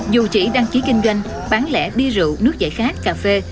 dù chỉ đăng ký kinh doanh bán lẻ đi rượu nước dậy khát cà phê